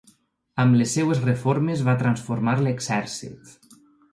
Amb les seves reformes va transformar l'exèrcit.